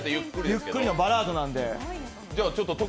ゆっくりのバラードなので。